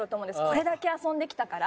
これだけ遊んできたから。